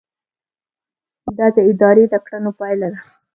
دا د ادارې د کړنو پایله ده.